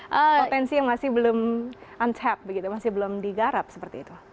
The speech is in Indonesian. potensi yang masih belum unceap begitu masih belum digarap seperti itu